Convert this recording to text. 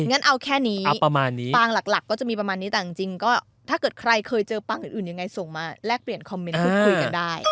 งั้นเอาแค่นี้ประมาณนี้ปางหลักก็จะมีประมาณนี้แต่จริงก็ถ้าเกิดใครเคยเจอปางอื่นยังไงส่งมาแลกเปลี่ยนคอมเมนต์พูดคุยกันได้